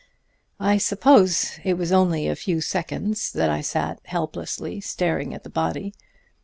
"I suppose it was only a few seconds that I sat helplessly staring at the body.